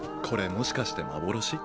これもしかして幻？